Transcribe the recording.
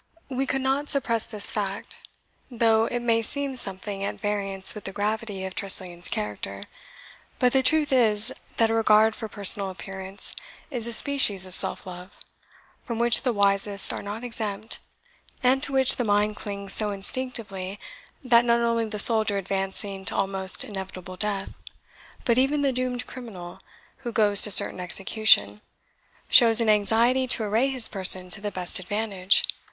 We could not suppress this fact, though it may seem something at variance with the gravity of Tressilian's character; but the truth is, that a regard for personal appearance is a species of self love, from which the wisest are not exempt, and to which the mind clings so instinctively that not only the soldier advancing to almost inevitable death, but even the doomed criminal who goes to certain execution, shows an anxiety to array his person to the best advantage.